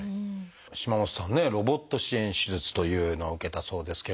島本さんねロボット支援手術というのを受けたそうですけれども。